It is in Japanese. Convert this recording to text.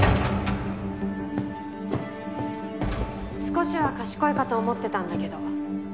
少しは賢いかと思ってたんだけど。